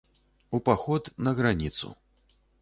У паход, на граніцу.